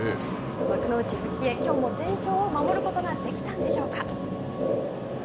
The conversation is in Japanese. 幕内復帰へ、きょうも全勝を守ることができたんでしょうか。